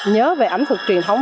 nhớ về ẩm thực truyền thống